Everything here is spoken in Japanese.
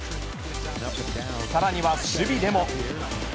さらには守備でも。